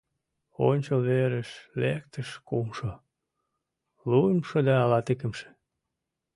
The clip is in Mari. Ончыл верыш лектыч кумшо, луымшо да латикымше.